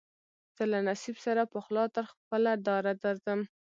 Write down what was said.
زه له نصیب سره پخلا تر خپله داره درځم